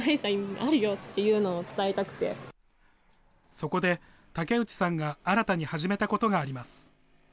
そこで、竹内さんが新たに始めたことがあります。